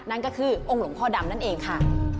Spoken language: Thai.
นั่นก็คือองค์หลวงพ่อดำนั่นเองค่ะ